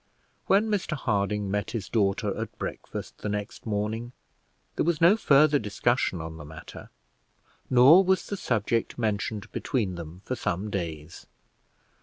When Mr Harding met his daughter at breakfast the next morning, there was no further discussion on the matter, nor was the subject mentioned between them for some days.